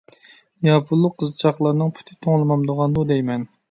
ياپونلۇق قىزچاقلارنىڭ پۇتى توڭلىمامدىغاندۇ دەيمەن.